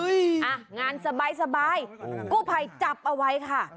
อ่ะงานสบายกู้ภัยจับเอาไว้ค่ะ